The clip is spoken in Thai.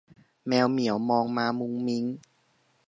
แมวเหมียวมองมามุ้งมิ้ง